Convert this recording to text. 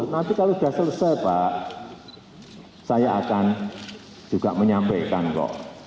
nanti kalau sudah selesai pak saya akan juga menyampaikan kok